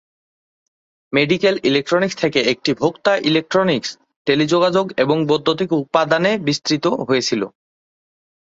Medical electronics থেকে এটি ভোক্তা ইলেকট্রনিক্স, টেলিযোগাযোগ এবং বৈদ্যুতিক উপাদানে বিস্তৃত হয়েছিল।